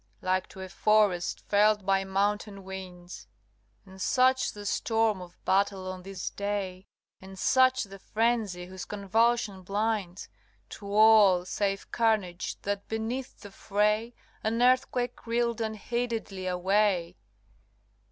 Like to a forest felled by mountain winds; And such the storm of battle on this day, And such the frenzy, whose convulsion blinds To all save carnage, that, beneath the fray, An earthquake reeled unheededly away!